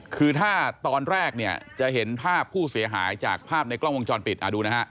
คือถ้าตอนแรกเนี่ยจะเห็นภาพผู้เสียหายจากภาพในกล้องวงจรปิดดูนะฮะ